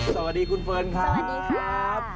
สวัสดีคุณเฟิร์นครับสวัสดีครับ